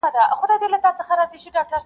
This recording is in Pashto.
له حیا له حُسنه جوړه ترانه یې,